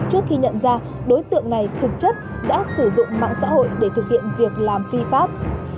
trước khi nhận ra đối tượng này thực chất đã sử dụng mạng xã hội để thực hiện việc làm phi pháp